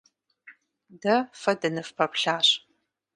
Дэ фэ дыныфпэплъащ.